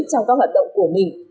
trong các hoạt động của mình